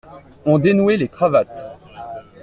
On dénouait les cravates.